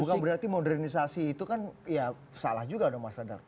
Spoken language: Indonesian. bukan berarti modernisasi itu kan ya salah juga dong mas radar